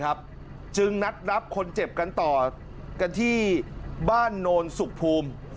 จึงนัดรับคนเจ็บกันต่อกันที่บ้านโนนสุขภูมิ